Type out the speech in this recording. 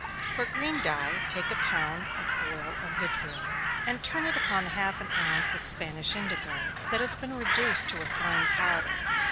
_ For green dye, take a pound of oil of vitriol, and turn it upon half an ounce of Spanish indigo, that has been reduced to a fine powder.